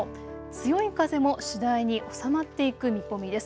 強い風も次第に収まっていく見込みです。